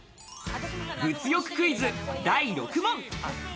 物欲クイズ第６問。